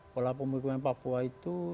pola pemukiman papua itu